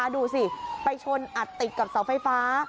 ดูสิไปชนอัดติดกับเสาไฟฟ้า